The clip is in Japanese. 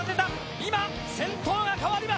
今、先頭が変わります。